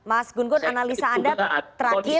mas gun gun analisa anda terakhir